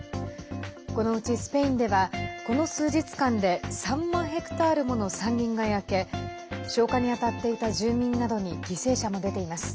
このうち、スペインではこの数日間で３万ヘクタールもの山林が焼け消火に当たっていた住民などに犠牲者も出ています。